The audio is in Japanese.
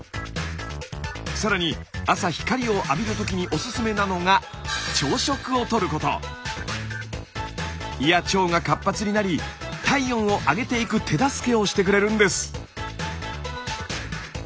さらに朝光を浴びるときにオススメなのが胃や腸が活発になり体温を上げていく手助けをしてくれるんです！